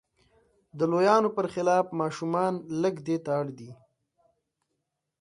د لویانو پر خلاف ماشومان لږ دې ته اړ دي.